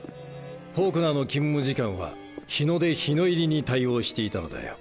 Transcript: フォークナーの勤務時間は日の出日の入りに対応していたのだよ。